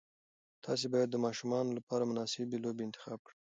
تاسي باید د ماشومانو لپاره مناسب لوبې انتخاب کړئ.